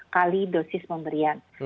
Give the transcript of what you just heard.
dua kali dosis pemberian